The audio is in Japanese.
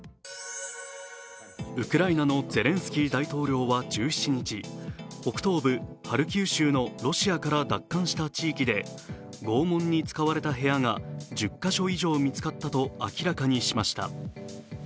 ウクライナのゼレンスキー大統領は１７日、北東部ハルキウ州のロシアから奪還した地域で拷問に使われた部屋が１０か所以上見つかったと明らかにしました。